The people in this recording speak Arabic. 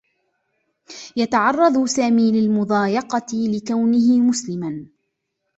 يتعرّض سامي للمضايقة لكونه مسلما.